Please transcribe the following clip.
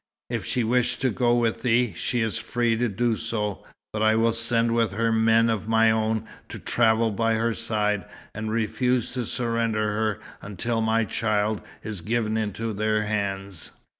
If she wish to go with thee, she is free to do so. But I will send with her men of my own, to travel by her side, and refuse to surrender her until my child is given into their hands."